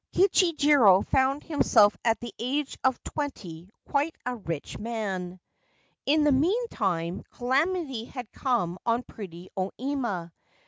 Kichijiro found himself at the age of twenty quite a rich man. In the meantime calamity had come on pretty O Ima.